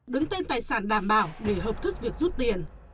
đứng tên tài sản đảm bảo để hợp thức việc rút tiền